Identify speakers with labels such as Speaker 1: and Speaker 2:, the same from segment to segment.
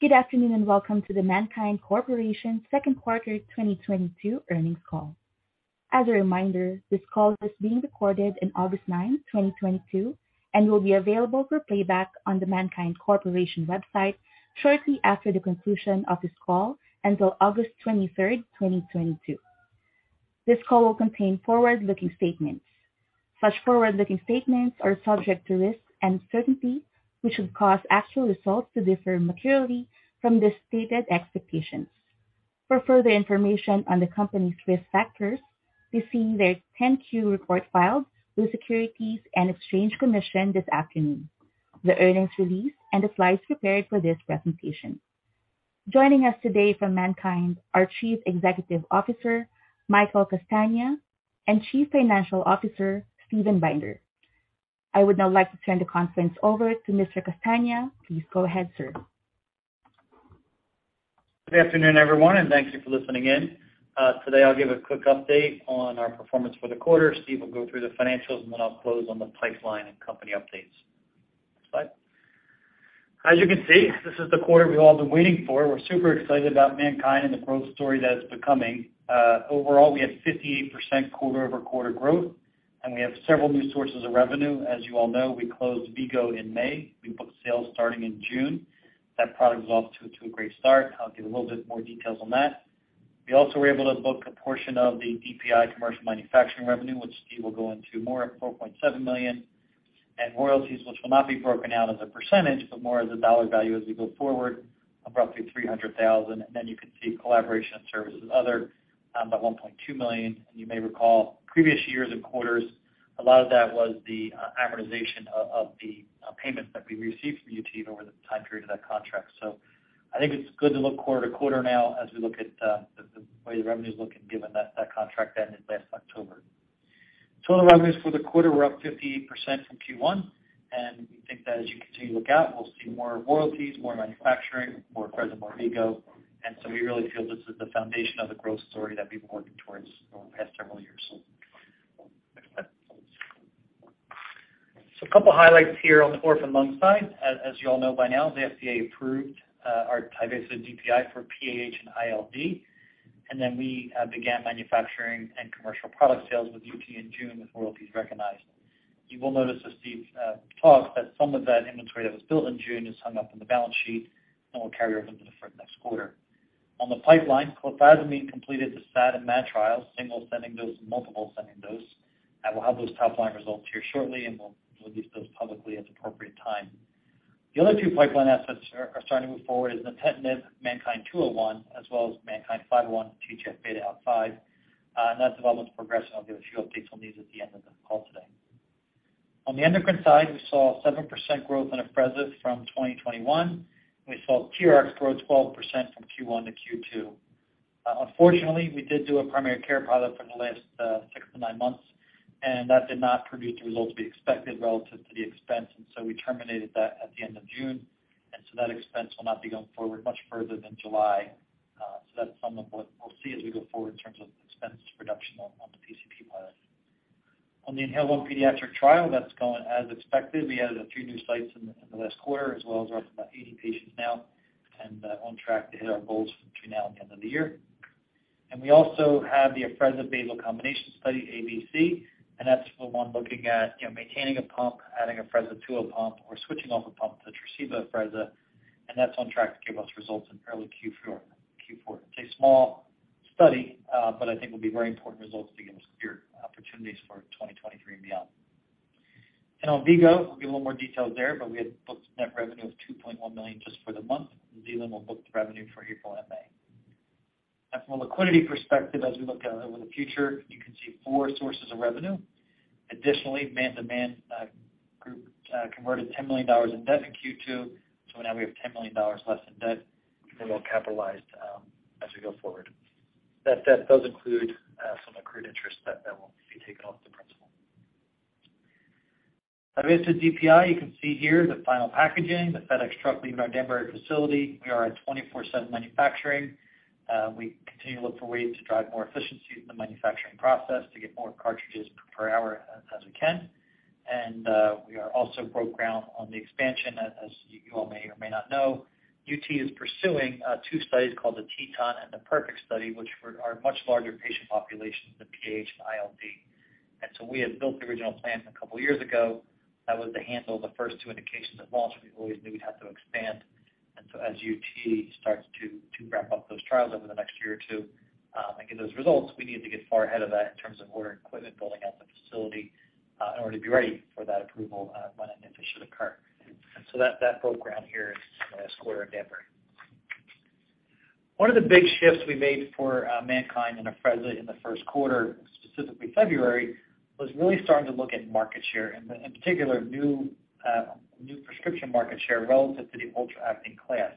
Speaker 1: Good afternoon, and welcome to the MannKind Corporation Q2 2022 earnings call. As a reminder, this call is being recorded on 9 August 2022 and will be available for playback on the MannKind Corporation website shortly after the conclusion of this call until 23 August 2022. This call will contain forward-looking statements. Such forward-looking statements are subject to risks and uncertainties, which would cause actual results to differ materially from the stated expectations. For further information on the company's risk factors, please see their 10-Q report filed with Securities and Exchange Commission this afternoon, the earnings release and the slides prepared for this presentation. Joining us today from MannKind are Chief Executive Officer Michael Castagna and Chief Financial Officer Steven Binder. I would now like to turn the conference over to Mr. Castagna. Please go ahead, sir.
Speaker 2: Good afternoon, everyone, and thank you for listening in. Today I'll give a quick update on our performance for the quarter. Steve will go through the financials, and then I'll close on the pipeline and company updates. Next slide. As you can see, this is the quarter we've all been waiting for. We're super excited about MannKind and the growth story that it's becoming. Overall, we have 58% quarter-over-quarter growth, and we have several new sources of revenue. As you all know, we closed V-Go in May. We booked sales starting in June. That product is off to a great start. I'll give a little bit more details on that. We also were able to book a portion of the DPI commercial manufacturing revenue, which Steve will go into more, at $4.7 million. Royalties, which will not be broken out as a percentage, but more as a dollar value as we go forward, of roughly $300,000. Then you can see collaboration and services, other, at $1.2 million. You may recall previous years and quarters, a lot of that was the amortization of the payments that we received from UT over the time period of that contract. I think it's good to look quarter to quarter now as we look at the way the revenues look and given that that contract ended last October. Total revenues for the quarter were up 58% from Q1, and we think that as you continue to look out, we'll see more royalties, more manufacturing, more Afrezza, more V-Go. We really feel this is the foundation of the growth story that we've been working towards over the past several years. Next slide. A couple highlights here on the orphan lung side. As you all know by now, the FDA approved our Tyvaso DPI for PAH and ILD. Then we began manufacturing and commercial product sales with UT in June, with royalties recognized. You will notice as Steve talks that some of that inventory that was built in June is hung up in the balance sheet and will carry over into the next quarter. On the pipeline, clofazimine completed the SAD and MAD trials, single ascending dose and multiple ascending dose, and we'll have those top line results here shortly, and we'll release those publicly at the appropriate time. The other two pipeline assets are starting to move forward is nintedanib, MNKD-201, as well as MNKD-501, TGF-β 501. That development's progressing. I'll give a few updates on these at the end of the call today. On the endocrine side, we saw 7% growth in Afrezza from 2021. We saw TRx grow 12% from Q1 to Q2. Unfortunately, we did do a primary care product for the last 6 to 9 months, and that did not produce the results we expected relative to the expense, and so we terminated that at the end of June. That expense will not be going forward much further than July. That's some of what we'll see as we go forward in terms of expense reduction on the PCP product. On the INHALE-1 pediatric trial, that's going as expected. We added a few new sites in the last quarter, as well as we're up to about 80 patients now and on track to hit our goals between now and the end of the year. We also have the Afrezza basal combination study, ABC, and that's the one looking at, you know, maintaining a pump, adding Afrezza to a pump, or switching off a pump to Tresiba Afrezza. That's on track to give us results in early Q4. It's a small study, but I think will be very important results to give us clear opportunities for 2023 and beyond. On V-Go, we'll give a little more detail there, but we had booked net revenue of $2.1 million just for the month, and V-Go will book the revenue for April and May. From a liquidity perspective, as we look out over the future, you can see four sources of revenue. Additionally, MannKind Group converted $10 million in debt in Q2, so now we have $10 million less in debt, and we're well capitalized as we go forward. That debt does include some accrued interest that will be taken off the principal. Afrezza DPI, you can see here the final packaging, the FedEx truck leaving our Danbury facility. We are at 24/7 manufacturing. We continue to look for ways to drive more efficiency in the manufacturing process to get more cartridges per hour as we can. We also broke ground on the expansion. As you all may or may not know, UT is pursuing two studies called the TETON and the PERFECT Study, which are much larger patient populations than PAH and ILD. We had built the original plant a couple years ago. That was to handle the first two indications at launch, so we always knew we'd have to expand. As UT starts to ramp up those trials over the next year or two, and get those results, we need to get far ahead of that in terms of ordering equipment, building out the facility, in order to be ready for that approval, when and if it should occur. That broke ground here this quarter in Danbury. One of the big shifts we made for MannKind and Afrezza in the Q1, specifically February, was really starting to look at market share, in particular new prescription market share relative to the ultra-acting class.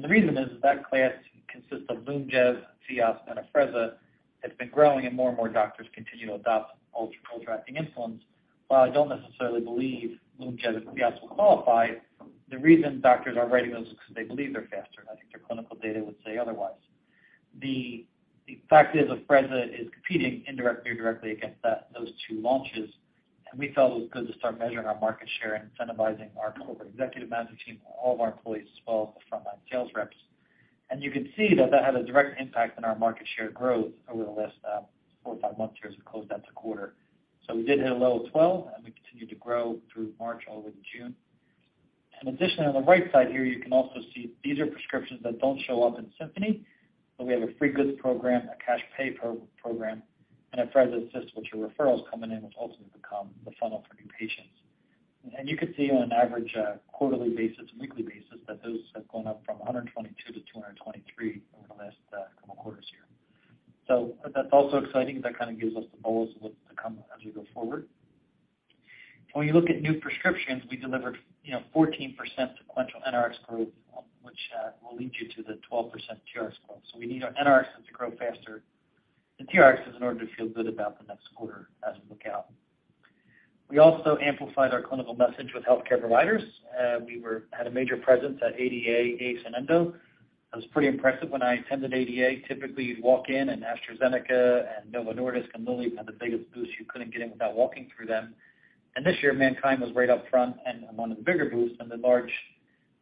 Speaker 2: The reason is that class consists of Lyumjev, Fiasp, and Afrezza, has been growing and more and more doctors continue to adopt ultra-acting insulins. While I don't necessarily believe Lyumjev and Fiasp will qualify, the reason doctors are writing those is because they believe they're faster, and I think their clinical data would say otherwise. The fact is Afrezza is competing indirectly or directly against those two launches. We felt it was good to start measuring our market share and incentivizing our corporate executive management team, all of our employees, as well as the frontline sales reps. You can see that had a direct impact on our market share growth over the last 4 or 5 months here as we closed out the quarter. We did hit a low of 12%, and we continued to grow through March all the way to June. Additionally, on the right side here, you can also see these are prescriptions that don't show up in Symphony. We have a free goods program, a cash pay program, and Afrezza Assist, which are referrals coming in, which ultimately become the funnel for new patients. You could see on an average quarterly basis and weekly basis that those have gone up from 122 to 223 over the last couple quarters here. That's also exciting because that kind of gives us the goals of what's to come as we go forward. When you look at new prescriptions, we delivered, you know, 14% sequential NRX growth, which will lead you to the 12% TRX growth. We need our NRXs to grow faster than TRXs in order to feel good about the next quarter as we look out. We also amplified our clinical message with healthcare providers. We had a major presence at ADA, ACE, and ENDO. I was pretty impressed when I attended ADA. Typically, you'd walk in and AstraZeneca and Novo Nordisk and Lilly had the biggest booths. You couldn't get in without walking through them. This year, MannKind was right up front and in one of the bigger booths. The large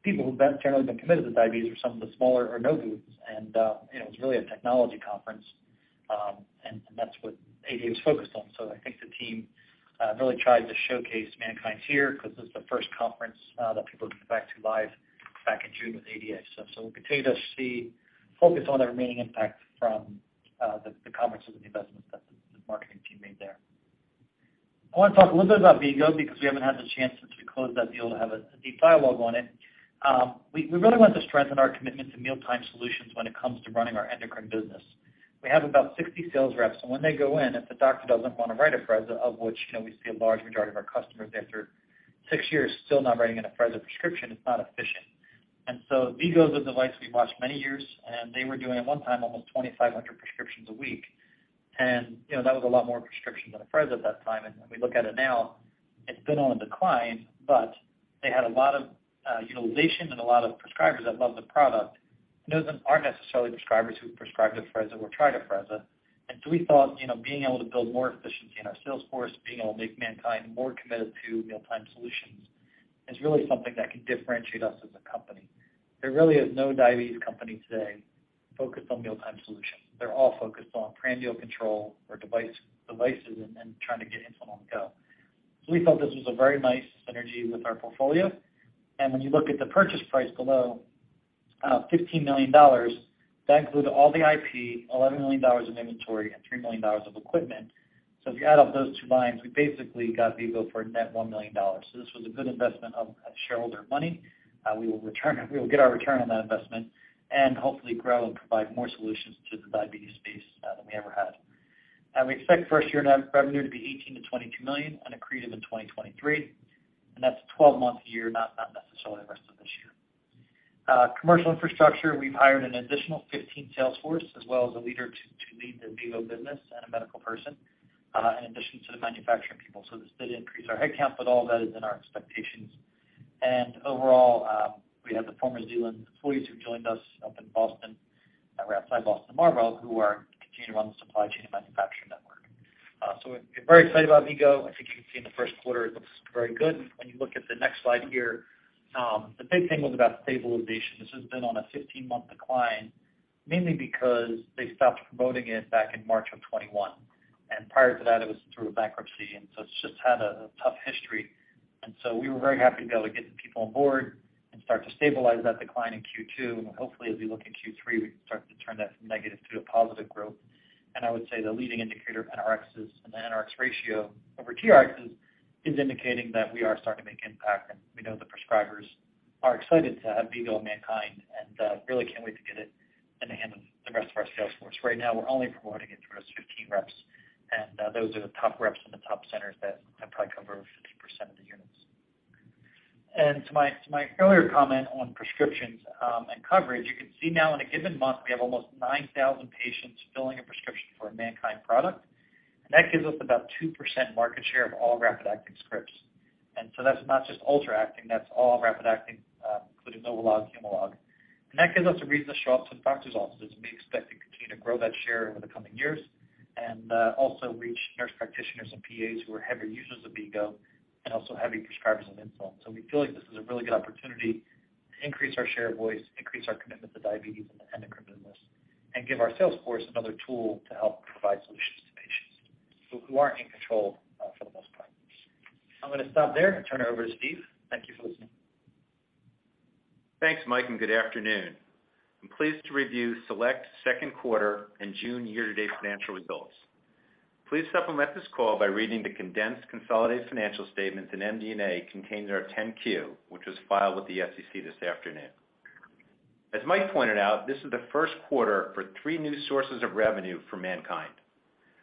Speaker 2: people who've generally been committed to diabetes were some of the smaller or no booths. You know, it was really a technology conference, and that's what ADA is focused on. I think the team really tried to showcase MannKind here because this is the first conference that people are getting back to live back in June with ADA. We'll continue to see focus on the remaining impact from the conferences and the investments that the marketing team made there. I wanna talk a little bit about V-Go because we haven't had the chance since we closed that deal to have a deep dialogue on it. We really want to strengthen our commitment to mealtime solutions when it comes to running our endocrine business. We have about 60 sales reps, and when they go in, if the doctor doesn't wanna write Afrezza, of which, you know, we see a large majority of our customers after 6 years still not writing an Afrezza prescription, it's not efficient. V-Go is a device we've watched many years, and they were doing at one time almost 2,500 prescriptions a week. You know, that was a lot more prescriptions than Afrezza at that time. When we look at it now, it's been on a decline, but they had a lot of utilization and a lot of prescribers that love the product, and those aren't necessarily prescribers who've prescribed Afrezza or tried Afrezza. We thought, you know, being able to build more efficiency in our sales force, being able to make MannKind more committed to mealtime solutions is really something that can differentiate us as a company. There really is no diabetes company today focused on mealtime solutions. They're all focused on prandial control or devices and trying to get insulin on the go. We felt this was a very nice synergy with our portfolio. When you look at the purchase price below, $15 million, that included all the IP, $11 million in inventory, and $3 million of equipment. If you add up those two lines, we basically got V-Go for a net $1 million. This was a good investment of shareholder money. We will get our return on that investment and hopefully grow and provide more solutions to the diabetes space than we ever had. We expect first year net revenue to be $18 to 22 million and accretive in 2023. That's a 12-month year, not necessarily the rest of this year. Commercial infrastructure, we've hired an additional 15 sales force as well as a leader to lead the V-Go business and a medical person in addition to the manufacturing people. This did increase our head count, but all of that is in our expectations. Overall, we have the former Zealand employees who joined us up in Boston, right outside Boston, Marlborough, who are continuing to run the supply chain and manufacturing network. We're very excited about V-Go. I think you can see in the Q1 it looks very good. When you look at the next slide here, the big thing was about stabilization. This has been on a 15-month decline, mainly because they stopped promoting it back in March 2021. Prior to that, it was through a bankruptcy, and so it's just had a tough history. We were very happy to be able to get some people on board and start to stabilize that decline in Q2. Hopefully, as we look in Q3, we can start to turn that from negative to a positive growth. I would say the leading indicator NRxs and the NRx ratio over TRxs is indicating that we are starting to make impact. We know the prescribers are excited to have V-Go and MannKind and really can't wait to get it in the hand of the rest of our sales force. Right now, we're only promoting it through those 15 reps, and those are the top reps in the top centers that probably cover 50% of the units. To my earlier comment on prescriptions and coverage, you can see now in a given month we have almost 9,000 patients filling a prescription for a MannKind product, and that gives us about 2% market share of all rapid-acting scripts. That's not just ultra-acting, that's all rapid acting, including NovoLog and Humalog. That gives us a reason to show up to the doctor's offices, and we expect to continue to grow that share over the coming years. Also reach nurse practitioners and PAs who are heavier users of V-Go and also heavy prescribers of insulin. We feel like this is a really good opportunity to increase our share of voice, increase our commitment to diabetes and the endocrine business, and give our sales force another tool to help provide solutions to patients who aren't in control, for the most part. I'm gonna stop there and turn it over to Steve. Thank you for listening.
Speaker 3: Thanks, Mike, and good afternoon. I'm pleased to review select Q2 and June year-to-date financial results. Please supplement this call by reading the condensed consolidated financial statements in MD&A contained in our 10-Q, which was filed with the SEC this afternoon. As Mike pointed out, this is the Q1 for three new sources of revenue for MannKind.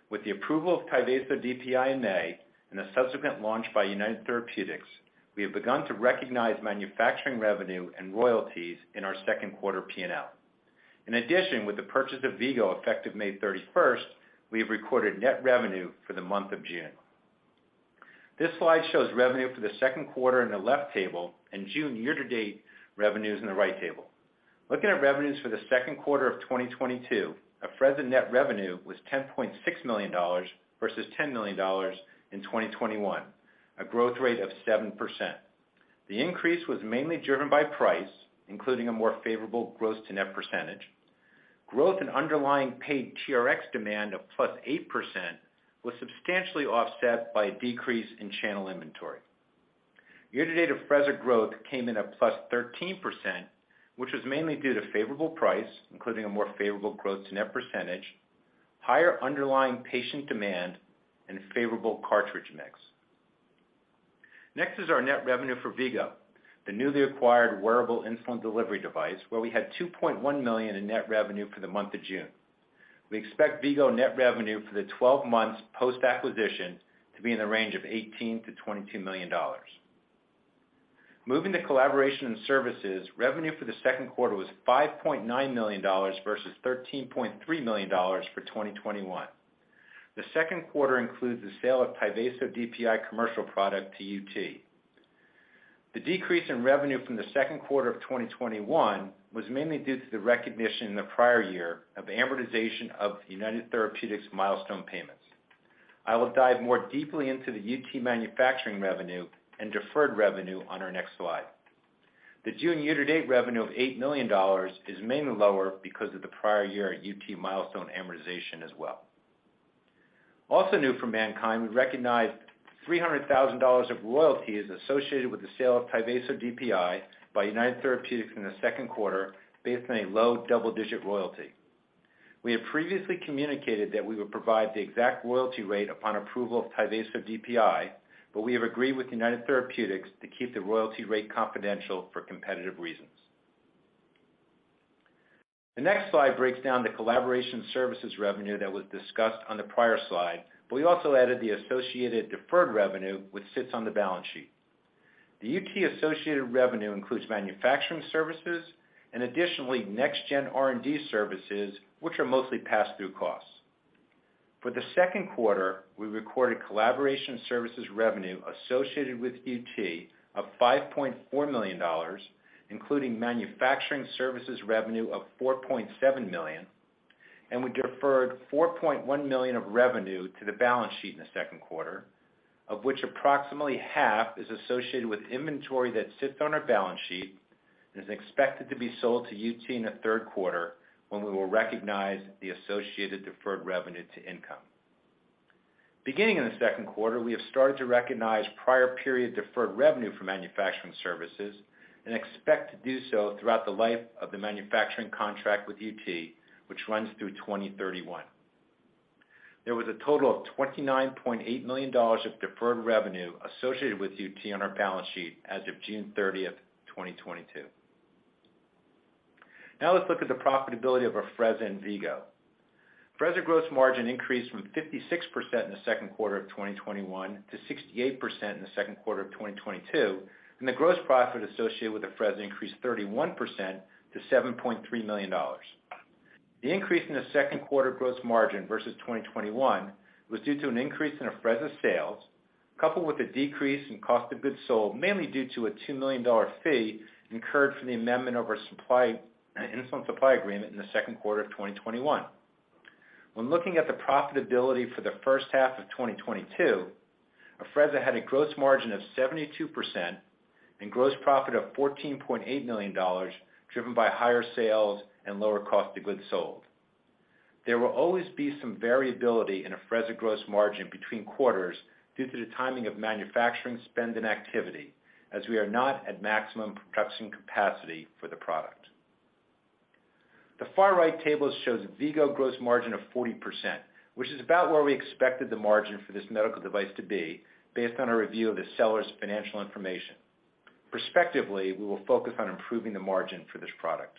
Speaker 3: With the approval of Tyvaso DPI in May and the subsequent launch by United Therapeutics, we have begun to recognize manufacturing revenue and royalties in our Q2 P&L. In addition, with the purchase of V-Go effective May 31, we have recorded net revenue for the month of June. This slide shows revenue for the Q2 in the left table and June year-to-date revenues in the right table. Looking at revenues for the Q2 of 2022, Afrezza net revenue was $10.6 million versus $10 million in 2021, a growth rate of 7%. The increase was mainly driven by price, including a more favorable gross to net percentage. Growth in underlying paid TRx demand of +8% was substantially offset by a decrease in channel inventory. Year-to-date Afrezza growth came in at +13%, which was mainly due to favorable price, including a more favorable gross to net percentage, higher underlying patient demand, and favorable cartridge mix. Next is our net revenue for V-Go, the newly acquired wearable insulin delivery device, where we had $2.1 million in net revenue for the month of June. We expect V-Go net revenue for the 12 months post-acquisition to be in the range of $18 to 22 million. Moving to collaboration and services, revenue for the Q2 was $5.9 million versus $13.3 million for 2021. The Q2 includes the sale of Tyvaso DPI commercial product to UT. The decrease in revenue from the Q2 of 2021 was mainly due to the recognition in the prior year of amortization of United Therapeutics milestone payments. I will dive more deeply into the UT manufacturing revenue and deferred revenue on our next slide. The June year-to-date revenue of $8 million is mainly lower because of the prior year UT milestone amortization as well. Also new for MannKind, we recognized $300,000 of royalties associated with the sale of Tyvaso DPI by United Therapeutics in the Q2 based on a low double-digit royalty. We had previously communicated that we would provide the exact royalty rate upon approval of Tyvaso DPI, but we have agreed with United Therapeutics to keep the royalty rate confidential for competitive reasons. The next slide breaks down the collaboration services revenue that was discussed on the prior slide, but we also added the associated deferred revenue which sits on the balance sheet. The UT associated revenue includes manufacturing services and additionally next gen R&D services which are mostly pass-through costs. For the Q2, we recorded collaboration services revenue associated with UT of $5.4 million, including manufacturing services revenue of $4.7 million, and we deferred $4.1 million of revenue to the balance sheet in the Q2, of which approximately half is associated with inventory that sits on our balance sheet and is expected to be sold to UT in the Q3 when we will recognize the associated deferred revenue to income. Beginning in the Q2, we have started to recognize prior period deferred revenue for manufacturing services and expect to do so throughout the life of the manufacturing contract with UT, which runs through 2031. There was a total of $29.8 million of deferred revenue associated with UT on our balance sheet as of 30 June 2022. Now let's look at the profitability of Afrezza and V-Go. Afrezza gross margin increased from 56% in the Q2 of 2021 to 68% in the Q2 of 2022, and the gross profit associated with Afrezza increased 31% to $7.3 million. The increase in the Q2 gross margin versus 2021 was due to an increase in Afrezza sales, coupled with a decrease in cost of goods sold, mainly due to a $2 million fee incurred from the amendment of our supply insulin supply agreement in the Q2 of 2021. When looking at the profitability for the H1 of 2022, Afrezza had a gross margin of 72% and gross profit of $14.8 million, driven by higher sales and lower cost of goods sold. There will always be some variability in Afrezza gross margin between quarters due to the timing of manufacturing spend and activity, as we are not at maximum production capacity for the product. The far-right table shows V-Go gross margin of 40%, which is about where we expected the margin for this medical device to be based on a review of the seller's financial information. Prospectively, we will focus on improving the margin for this product.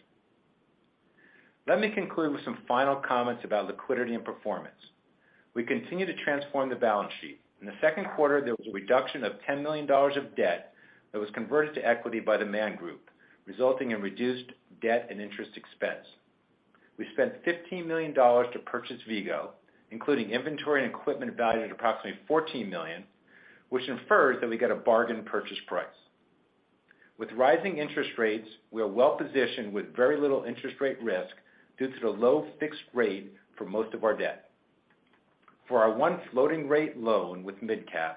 Speaker 3: Let me conclude with some final comments about liquidity and performance. We continue to transform the balance sheet. In the Q2, there was a reduction of $10 million of debt that was converted to equity by the Mann Group, resulting in reduced debt and interest expense. We spent $15 million to purchase V-Go, including inventory and equipment valued at approximately $14 million, which infers that we got a bargain purchase price. With rising interest rates, we are well-positioned with very little interest rate risk due to the low fixed rate for most of our debt. For our one floating rate loan with MidCap,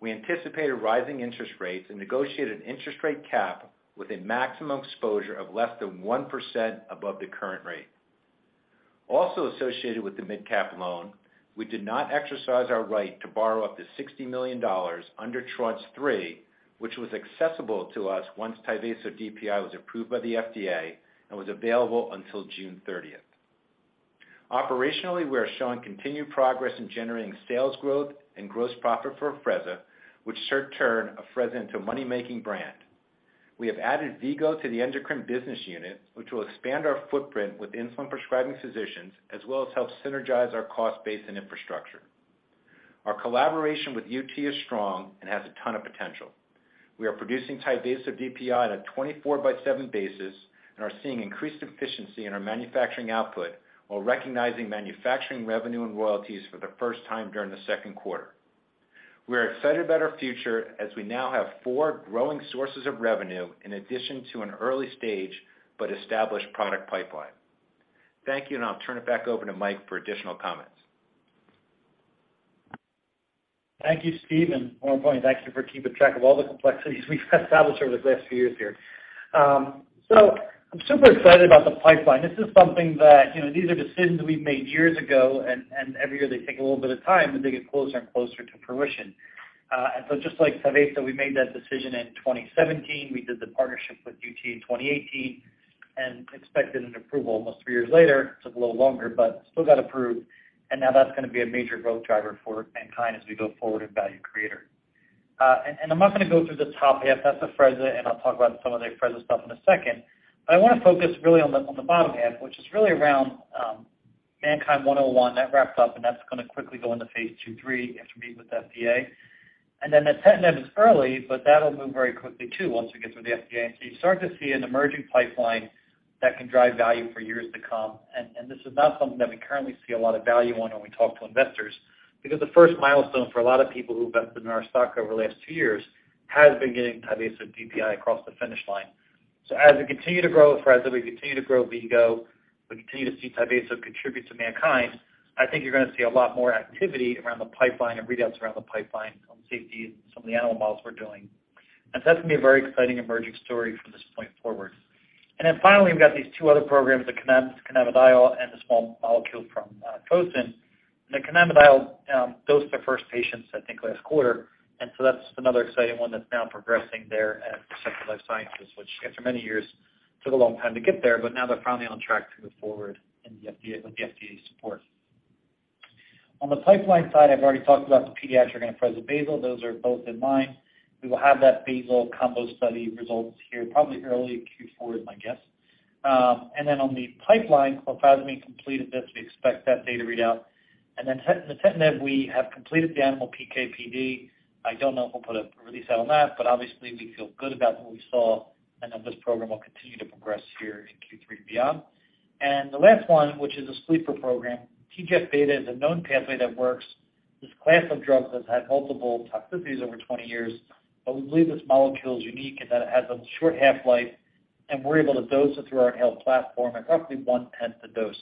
Speaker 3: we anticipated rising interest rates and negotiated an interest rate cap with a maximum exposure of less than 1% above the current rate. Also associated with the MidCap loan, we did not exercise our right to borrow up to $60 million under Tranche three, which was accessible to us once Tyvaso DPI was approved by the FDA and was available until June thirtieth. Operationally, we are showing continued progress in generating sales growth and gross profit for Afrezza, which should turn Afrezza into a money-making brand. We have added V-Go to the endocrine business unit, which will expand our footprint with insulin prescribing physicians, as well as help synergize our cost base and infrastructure. Our collaboration with UT is strong and has a ton of potential. We are producing Tyvaso DPI on a 24 by 7 basis and are seeing increased efficiency in our manufacturing output while recognizing manufacturing revenue and royalties for the first time during the Q2. We are excited about our future as we now have four growing sources of revenue in addition to an early stage but established product pipeline. Thank you, and I'll turn it back over to Mike for additional comments.
Speaker 2: Thank you, Steve, and more importantly, thank you for keeping track of all the complexities we've established over the last few years here. I'm super excited about the pipeline. This is something that, you know, these are decisions we've made years ago and every year they take a little bit of time, and they get closer and closer to fruition. Just like Tyvaso, we made that decision in 2017. We did the partnership with UT in 2018 and expected an approval almost three years later. Took a little longer, but still got approved. Now that's gonna be a major growth driver for MannKind as we go forward in value creator. I'm not gonna go through the top half. That's Afrezza, and I'll talk about some of the Afrezza stuff in a second. I want to focus really on the bottom half, which is really around MNKD-101. That wraps up, and that's gonna quickly go into phase 2/3 after meeting with FDA. Then the nintedanib is early, but that'll move very quickly too once we get through the FDA. You start to see an emerging pipeline that can drive value for years to come. This is not something that we currently see a lot of value on when we talk to investors because the first milestone for a lot of people who've invested in our stock over the last 2 years has been getting Tyvaso DPI across the finish line. As we continue to grow Afrezza, we continue to grow V-Go, we continue to see Tyvaso contribute to MannKind, I think you're gonna see a lot more activity around the pipeline and readouts around the pipeline on safety and some of the animal models we're doing. That's gonna be a very exciting emerging story from this point forward. Then finally, we've got these two other programs, the cannabidiol and the small molecule from Fosun. The cannabidiol dosed their first patients, I think, last quarter. That's another exciting one that's now progressing there at Perceptive Life Sciences, which after many years took a long time to get there, but now they're finally on track to move forward in the FDA with the FDA's support. On the pipeline side, I've already talked about the pediatric and Afrezza basal. Those are both in line. We will have that basal combo study results here probably early Q4, is my guess. On the pipeline, clofazimine completed this. We expect that data readout. The nintedanib, we have completed the animal PK/PD. I don't know if we'll put a release out on that, but obviously, we feel good about what we saw, and then this program will continue to progress here in Q3 and beyond. The last one, which is a sleeper program, TGF-β is a known pathway that works. This class of drugs has had multiple toxicities over 20 years, but we believe this molecule is unique in that it has a short half-life, and we're able to dose it through our inhaled platform at roughly one-tenth the dose,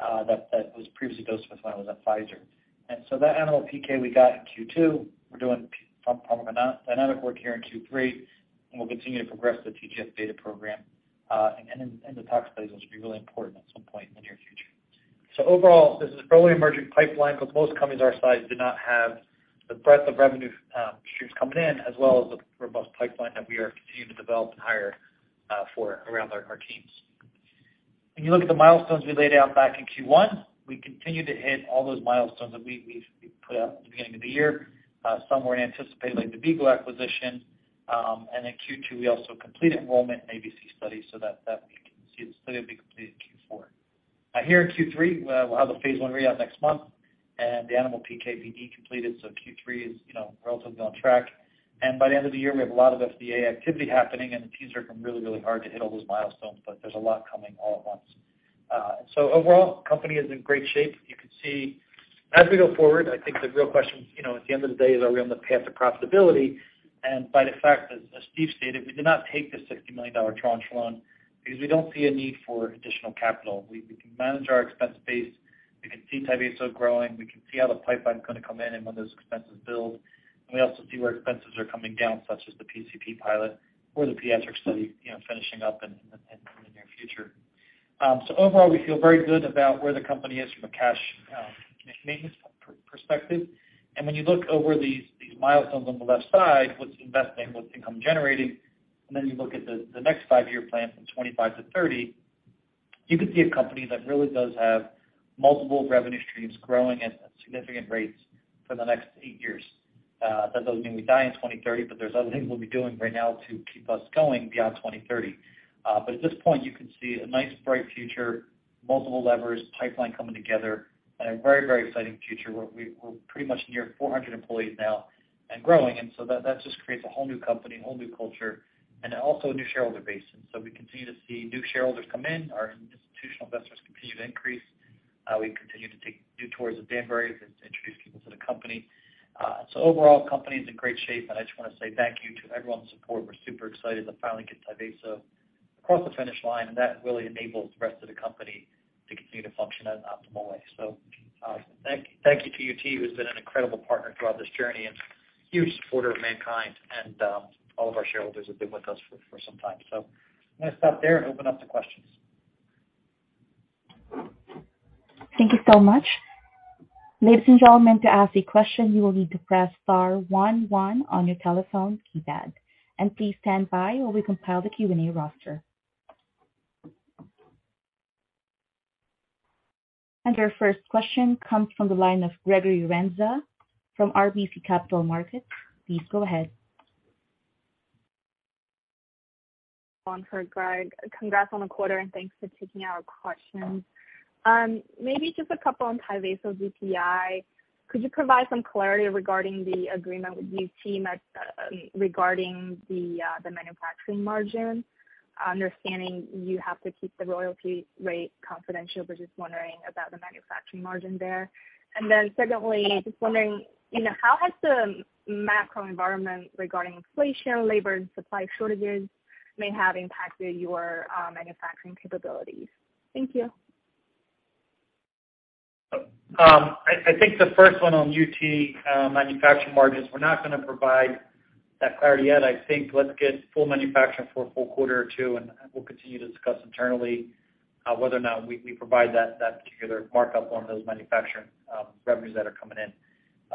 Speaker 2: that was previously dosed with when I was at Pfizer. That animal PK we got in Q2, we're doing pharmacodynamic work here in Q3, and we'll continue to progress the TGF-β program. Then the tox plays, those will be really important at some point in the near future. Overall, this is an early emerging pipeline, but most companies our size do not have the breadth of revenue streams coming in as well as the robust pipeline that we are continuing to develop and hire for around our teams. When you look at the milestones we laid out back in Q1, we continue to hit all those milestones that we've put out at the beginning of the year. Some were anticipated like the V-Go acquisition. In Q2, we also completed enrollment in ABC study so that we can see the study will be completed in Q4. Here in Q3, we'll have the phase 1 readout next month and the animal PK/PD completed. Q3 is, you know, relatively on track. By the end of the year, we have a lot of FDA activity happening, and the teams are working really, really hard to hit all those milestones. There's a lot coming all at once. Overall, the company is in great shape. You can see as we go forward, I think the real question, you know, at the end of the day is are we on the path to profitability? By the fact that, as Steve stated, we did not take the $60 million tranche loan because we don't see a need for additional capital. We can manage our expense base. We can see Tyvaso growing. We can see how the pipeline's gonna come in and when those expenses build. We also see where expenses are coming down, such as the PCP pilot or the pediatric study, you know, finishing up in the near future. Overall, we feel very good about where the company is from a cash maintenance perspective. When you look over these milestones on the left side, what's investing, what's income generating, and then you look at the next five-year plan from 25 to 30, you can see a company that really does have multiple revenue streams growing at significant rates for the next eight years. That doesn't mean we die in 2030, but there's other things we'll be doing right now to keep us going beyond 2030. At this point, you can see a nice bright future, multiple levers, pipeline coming together, and a very, very exciting future where we're pretty much near 400 employees now and growing. That just creates a whole new company, a whole new culture, and also a new shareholder base. We continue to see new shareholders come in. Our institutional investors continue to increase. We continue to take new tours at Danbury to introduce people to the company. Overall, company's in great shape, and I just wanna say thank you to everyone's support. We're super excited to finally get Tyvaso across the finish line, and that really enables the rest of the company to continue to function at an optimal way. Thank you to UT, who's been an incredible partner throughout this journey and huge supporter of MannKind and all of our shareholders who've been with us for some time. I'm gonna stop there and open up to questions.
Speaker 1: Thank you so much. Ladies and gentlemen, to ask a question, you will need to press star one one on your telephone keypad. Please stand by while we compile the Q&A roster. Our first question comes from the line of Gregory Renza from RBC Capital Markets. Please go ahead.
Speaker 4: On for Greg. Congrats on the quarter, and thanks for taking our questions. Maybe just a couple on Tyvaso DPI. Could you provide some clarity regarding the agreement with UT regarding the manufacturing margin? Understanding you have to keep the royalty rate confidential, but just wondering about the manufacturing margin there. Secondly, just wondering, you know, how has the macro environment regarding inflation, labor, and supply shortages may have impacted your manufacturing capabilities? Thank you.
Speaker 2: I think the first one on UT manufacturing margins, we're not gonna provide that clarity yet. I think let's get full manufacturing for a full quarter or two, and we'll continue to discuss internally whether or not we provide that particular markup on those manufacturing revenues that are coming in.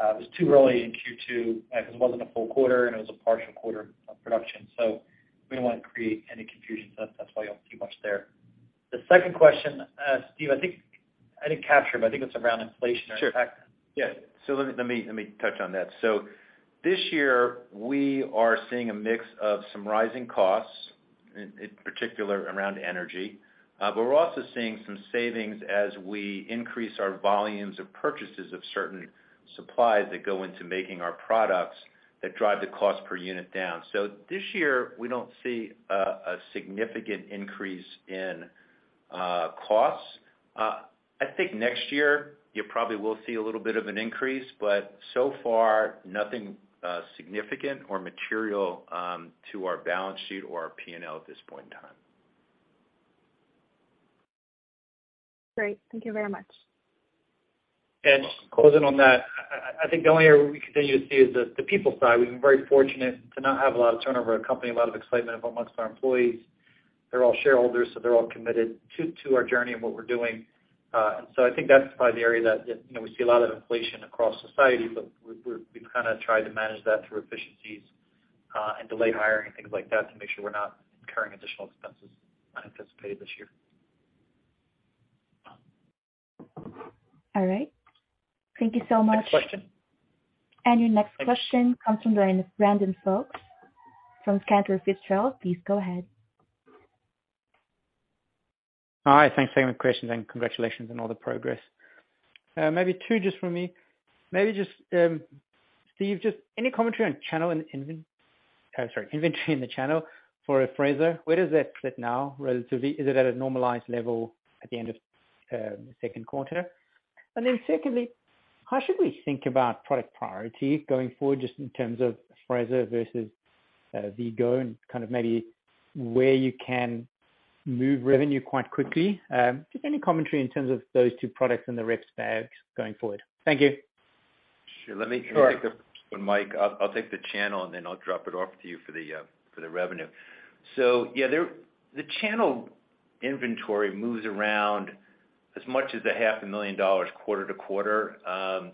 Speaker 2: It was too early in Q2 because it wasn't a full quarter and it was a partial quarter of production, so we didn't wanna create any confusion. That's why you won't see much there. The second question, Steve, I think I didn't capture it, but I think it's around inflation or impact.
Speaker 3: Sure. Yeah. Let me touch on that. This year we are seeing a mix of some rising costs in particular around energy. But we're also seeing some savings as we increase our volumes of purchases of certain supplies that go into making our products that drive the cost per unit down. This year we don't see a significant increase in costs. I think next year you probably will see a little bit of an increase, but so far nothing significant or material to our balance sheet or our P&L at this point in time.
Speaker 4: Great. Thank you very much.
Speaker 2: Closing on that, I think the only area where we continue to see is the people side. We've been very fortunate to not have a lot of turnover at company, a lot of excitement among our employees. They're all shareholders, so they're all committed to our journey and what we're doing. I think that's probably the area that you know we see a lot of inflation across society, but we've kind of tried to manage that through efficiencies and delayed hiring and things like that to make sure we're not incurring additional expenses unanticipated this year.
Speaker 4: All right. Thank you so much.
Speaker 3: Next question.
Speaker 1: Your next question comes from Brandon Folkes from Scotiabank. Please go ahead.
Speaker 5: Hi. Thanks for taking my questions and congratulations on all the progress. Maybe two just from me. Maybe just, Steve, just any commentary on channel and inventory in the channel for Afrezza. Where does that sit now relatively? Is it at a normalized level at the end of the Q2? And then secondly, how should we think about product priorities going forward, just in terms of Afrezza versus V-Go and kind of maybe where you can move revenue quite quickly? Just any commentary in terms of those two products in the reps' bags going forward. Thank you.
Speaker 3: Sure. Let me
Speaker 2: Sure.
Speaker 3: Mike, I'll take the channel and then I'll drop it off to you for the revenue. Yeah, the channel inventory moves around as much as half a million dollars quarter to quarter.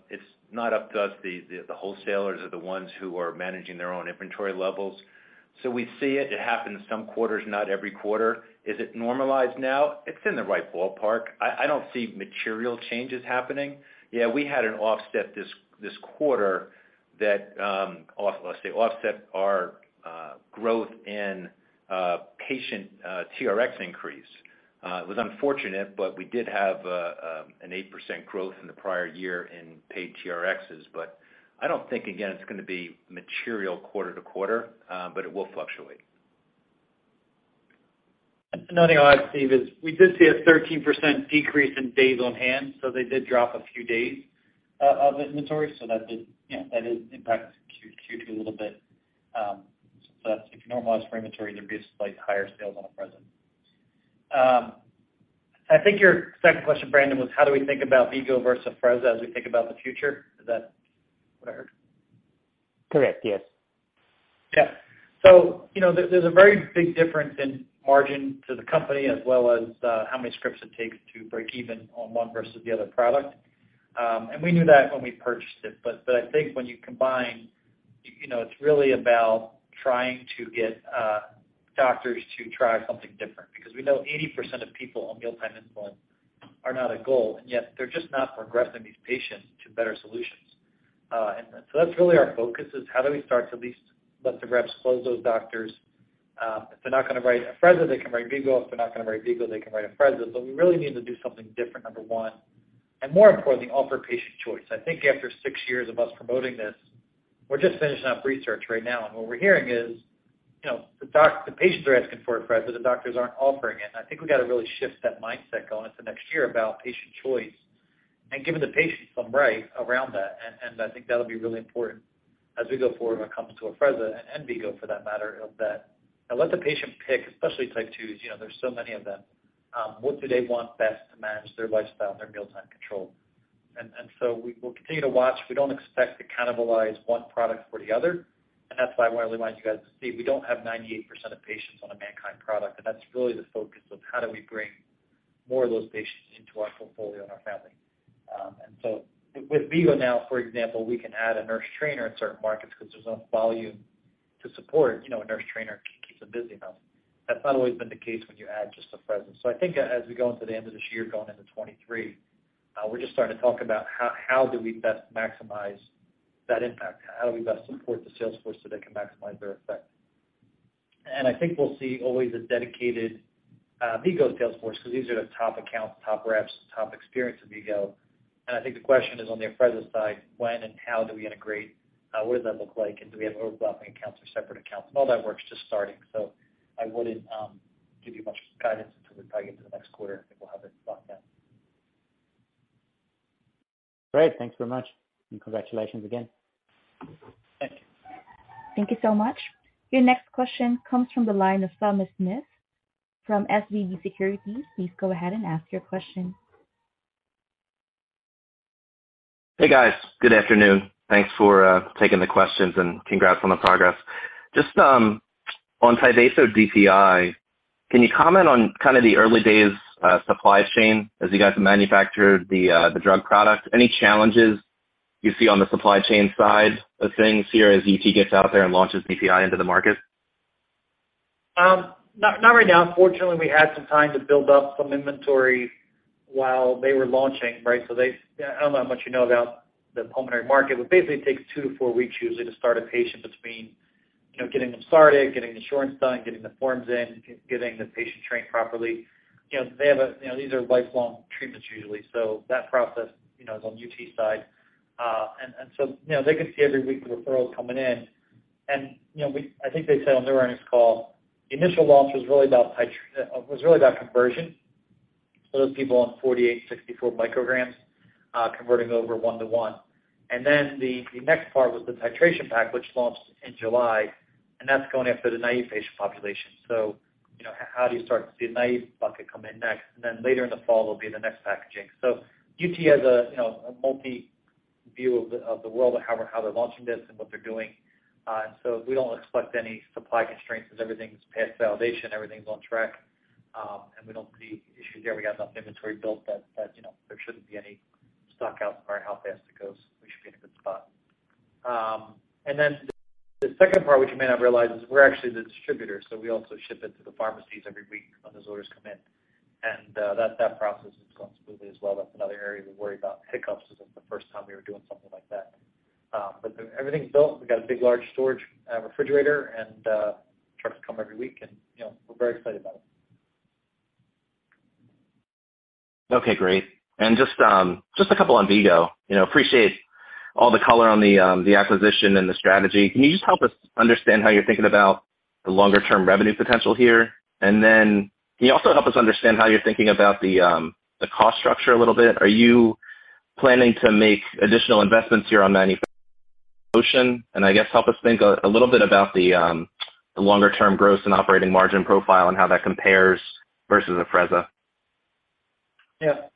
Speaker 3: It's not up to us. The wholesalers are the ones who are managing their own inventory levels. We see it. It happens some quarters, not every quarter. Is it normalized now? It's in the right ballpark. I don't see material changes happening. Yeah, we had an offset this quarter that offset our growth in patient TRxs increase. It was unfortunate, but we did have 8% growth in the prior year in paid TRxs. I don't think, again, it's gonna be material quarter to quarter, but it will fluctuate.
Speaker 2: Another thing I'll add, Steve, is we did see a 13% decrease in days on hand, so they did drop a few days of inventory. That did, you know, impact Q2 a little bit. That's if you normalize for inventory, there'd be slightly higher sales on Afrezza. I think your second question, Brandon, was how do we think about V-Go versus Afrezza as we think about the future? Is that what I heard?
Speaker 5: Correct. Yes.
Speaker 2: Yeah. You know, there's a very big difference in margin to the company as well as how many scripts it takes to break even on one versus the other product. We knew that when we purchased it. I think when you combine, you know, it's really about trying to get doctors to try something different because we know 80% of people on mealtime insulin are not at goal, and yet they're just not progressing these patients to better solutions. That's really our focus is how do we start to at least let the reps close those doctors. If they're not gonna write Afrezza, they can write V-Go. If they're not gonna write V-Go, they can write Afrezza. We really need to do something different, number one, and more importantly, offer patient choice. I think after six years of us promoting this, we're just finishing up research right now, and what we're hearing is, you know, the patients are asking for Afrezza, the doctors aren't offering it. I think we gotta really shift that mindset going into next year about patient choice and giving the patients some right around that. I think that'll be really important as we go forward when it comes to Afrezza and V-Go for that matter, is that let the patient pick, especially type twos, you know, there's so many of them, what do they want best to manage their lifestyle and their mealtime control. So, we will continue to watch. We don't expect to cannibalize one product for the other. That's why I wanna remind you guys, Steve, we don't have 98% of patients on a MannKind product. That's really the focus of how do we bring more of those patients into our portfolio and our family. With V-Go now, for example, we can add a nurse trainer in certain markets because there's enough volume to support, you know, a nurse trainer keeps them busy enough. That's not always been the case when you add just Afrezza. I think as we go into the end of this year, going into 2023, we're just starting to talk about how do we best maximize that impact? How do we best support the sales force so they can maximize their effect? I think we'll see always a dedicated V-Go sales force, cause these are the top accounts, top reps, top experience with V-Go. I think the question is on the Afrezza side, when and how do we integrate? What does that look like? Do we have overlapping accounts or separate accounts? All that work's just starting. I wouldn't give you much guidance until we probably get to the next quarter, and we'll have it locked down.
Speaker 5: Great. Thanks very much, and congratulations again.
Speaker 2: Thank you.
Speaker 1: Thank you so much. Your next question comes from the line of Thomas Smith from SVB Securities. Please go ahead and ask your question.
Speaker 6: Hey, guys. Good afternoon. Thanks for taking the questions and congrats on the progress. Just on Tyvaso DPI, can you comment on kind of the early days, supply chain as you guys manufactured the drug product? Any challenges you see on the supply chain side of things here as UT gets out there and launches DPI into the market?
Speaker 2: Not right now. Fortunately, we had some time to build up some inventory while they were launching, right? They I don't know how much you know about the pulmonary market, but basically it takes two to four weeks usually to start a patient between, you know, getting them started, getting insurance done, getting the forms in, getting the patient trained properly. You know, they have, you know, these are lifelong treatments usually. That process, you know, is on UT's side. And so, you know, they could see every week the referrals coming in. I think they said on their earnings call, the initial launch was really about conversion. Those people on 48, 64 micrograms, converting over one to one. The next part was the titration pack, which launched in July, and that's going after the naive patient population. How do you start to see a naive bucket come in next? Later in the fall will be the next packaging. UT has a multi-year view of the world of how they're launching this and what they're doing. We don't expect any supply constraints as everything's passed validation, everything's on track. We don't see issues there. We have enough inventory built that there shouldn't be any stockouts no matter how fast it goes. We should be in a good spot. The second part which you may not realize is we're actually the distributor, so we also ship it to the pharmacies every week when those orders come in. That process has gone smoothly as well. That's another area we worry about hiccups, as it's the first time we were doing something like that. Everything's built. We got a big, large storage refrigerator and trucks come every week and, you know, we're very excited about it.
Speaker 6: Okay, great. Just a couple on V-Go. You know, I appreciate all the color on the acquisition and the strategy. Can you just help us understand how you're thinking about the longer term revenue potential here? Then can you also help us understand how you're thinking about the cost structure a little bit? Are you planning to make additional investments here on manufacturing or marketing? I guess help us think a little bit about the longer term gross and operating margin profile and how that compares versus Afrezza.
Speaker 2: Yeah,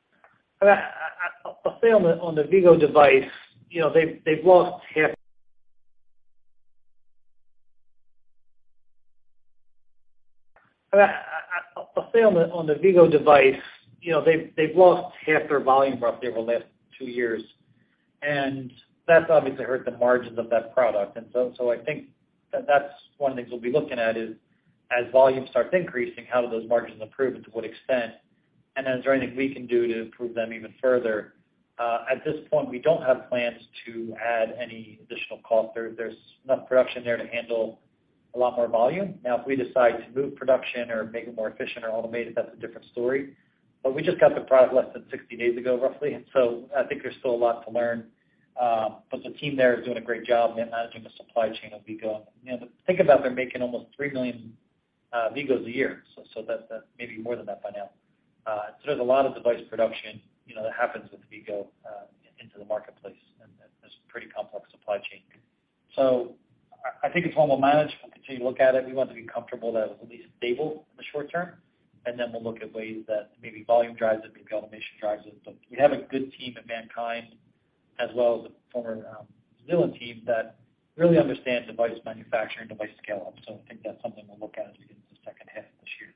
Speaker 2: a sale on the V-Go device, you know, they've lost half their volume roughly over the last two years, and that's obviously hurt the margins of that product. I think that that's one of the things we'll be looking at is as volume starts increasing, how do those margins improve and to what extent? Is there anything we can do to improve them even further? At this point, we don't have plans to add any additional cost. There's enough production there to handle a lot more volume. Now, if we decide to move production or make it more efficient or automated, that's a different story. We just got the product less than 60 days ago, roughly. I think there's still a lot to learn. The team there is doing a great job at managing the supply chain of V-Go. You know, think about they're making almost 3 million V-Gos a year. That may be more than that by now. There's a lot of device production, you know, that happens with V-Go into the marketplace, and there's pretty complex supply chain. I think it's one we'll manage. We'll continue to look at it. We want to be comfortable that it's at least stable in the short term, and then we'll look at ways that maybe volume drives it, maybe automation drives it. We have a good team at MannKind, as well as a former Valeritas team that really understand device manufacturing, device scale up. I think that's something we'll look at as we get into the H2 of this year.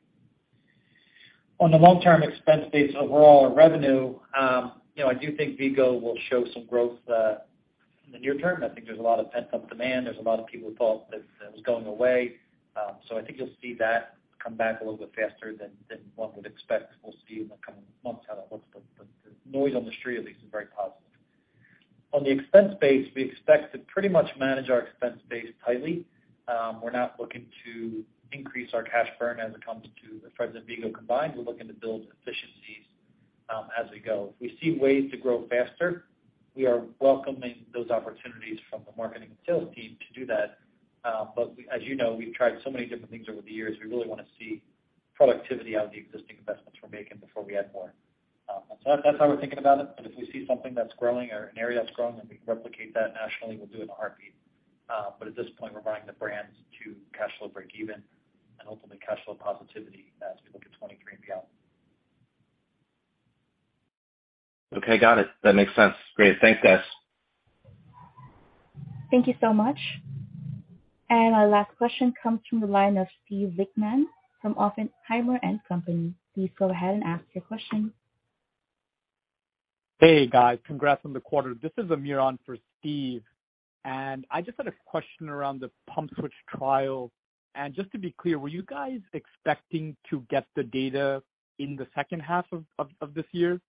Speaker 2: On the long-term expense base overall or revenue, you know, I do think V-Go will show some growth in the near term. I think there's a lot of pent-up demand. There's a lot of people who thought that it was going away. I think you'll see that come back a little bit faster than one would expect. We'll see in the coming months how that looks, but the noise on the street at least is very positive. On the expense base, we expect to pretty much manage our expense base tightly. We're not looking to increase our cash burn as it comes to Afrezza and V-Go combined. We're looking to build efficiencies as we go. If we see ways to grow faster, we are welcoming those opportunities from the marketing and sales team to do that. We, as you know, we've tried so many different things over the years. We really wanna see productivity out of the existing investments we're making before we add more. That's how we're thinking about it. If we see something that's growing or an area that's growing and we can replicate that nationally, we'll do it in a heartbeat. At this point, we're running the brands to cash flow breakeven and ultimately cash flow positivity as we look at 2023 and beyond.
Speaker 6: Okay, got it. That makes sense. Great. Thanks, guys.
Speaker 1: Thank you so much. Our last question comes from the line of Steven Lichtman from Oppenheimer & Co. Please go ahead and ask your question.
Speaker 7: Hey, guys. Congrats on the quarter. This is Ameeran for Steve. I just had a question around the pump switch trial. Just to be clear, were you guys expecting to get the data in the H2 of this year?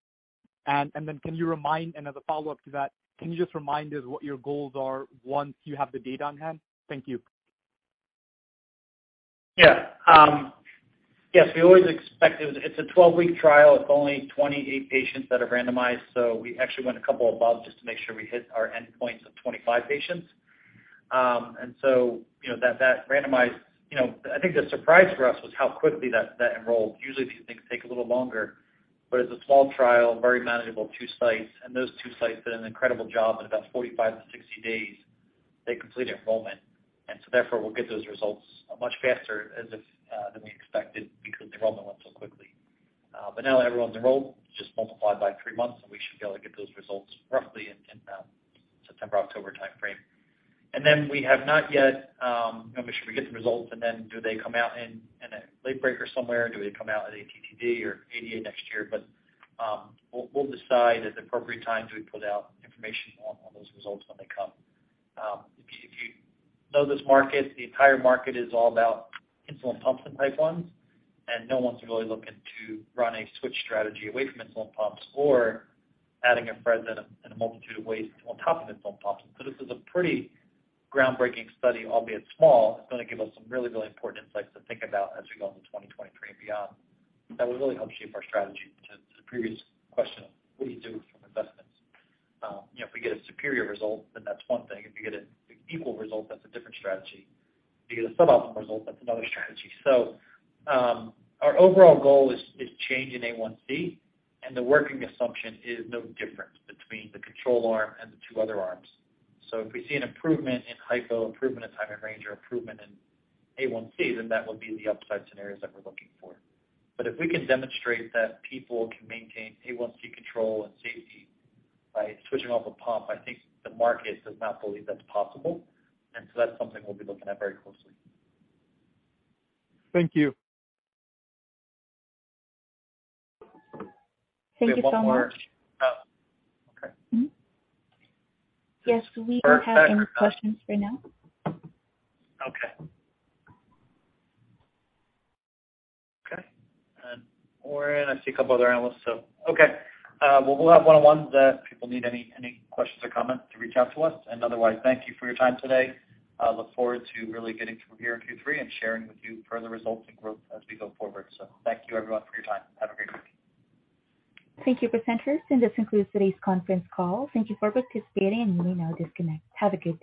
Speaker 7: Then can you remind, and as a follow-up to that, can you just remind us what your goals are once you have the data on hand? Thank you.
Speaker 2: Yeah. Yes, we always expect it. It's a 12-week trial. It's only 28 patients that are randomized. We actually went a couple above just to make sure we hit our endpoint of 25 patients. You know, that randomized, you know, I think the surprise for us was how quickly that enrolled. Usually, these things take a little longer, but it's a small trial, very manageable, 2 sites. Those two sites did an incredible job. In about 45 to 60 days, they completed enrollment. Therefore, we'll get those results much faster than we expected because the enrollment went so quickly. Now that everyone's enrolled, just multiply by 3 months, and we should be able to get those results roughly in September-October timeframe. We have not yet, I mean, should we get the results, and then do they come out in a late breaker somewhere? Do they come out at ATTD or ADA next year? We'll decide at the appropriate time do we put out information on those results when they come. If you know this market, the entire market is all about insulin pumps and type ones, and no one's really looking to run a switch strategy away from insulin pumps or adding a Afrezza in a multitude of ways on top of insulin pumps. This is a pretty groundbreaking study, albeit small. It's gonna give us some really, really important insights to think about as we go into 2023 and beyond. That would really help shape our strategy to the previous question, what do you do from investments? You know, if we get a superior result, then that's one thing. If we get an equal result, that's a different strategy. If you get a suboptimal result, that's another strategy. Our overall goal is change in A1C, and the working assumption is no difference between the control arm and the two other arms. If we see an improvement in hypo, improvement in time and range, or improvement in A1C, then that would be the upside scenarios that we're looking for. If we can demonstrate that people can maintain A1C control and safety by switching off a pump, I think the market does not believe that's possible. That's something we'll be looking at very closely.
Speaker 7: Thank you.
Speaker 1: Thank you so much.
Speaker 2: We have one more. Oh, okay.
Speaker 1: Yes, we don't have any questions for now.
Speaker 2: Oren, I see a couple other analysts, so okay. Well, we'll have one-on-ones that people need any questions or comments to reach out to us. Otherwise, thank you for your time today. Look forward to really getting through here in Q3 and sharing with you further results and growth as we go forward. Thank you everyone for your time. Have a great week.
Speaker 1: Thank you, presenters. This concludes today's conference call. Thank you for participating, and you may now disconnect. Have a good day.